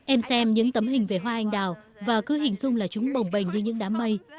em xem những tấm hình về hoa anh đào và cứ hình dung là chúng bồng bềnh như những đám mây